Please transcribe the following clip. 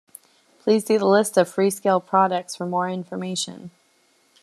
Please see the List of Freescale products for more information.